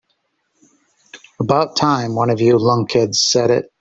About time one of you lunkheads said it.